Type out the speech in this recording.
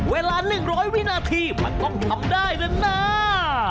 เวลา๑๐๐วินาทีมันต้องทำได้ด้านหน้า